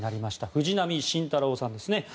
藤浪晋太郎さんですね。